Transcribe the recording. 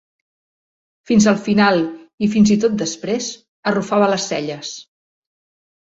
Fins al final i, fins i tot després, arrufava les celles.